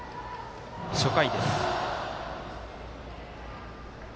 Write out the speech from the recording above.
初回です。